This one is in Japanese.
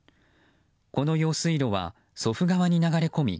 この用水路は祖父川に流れ込み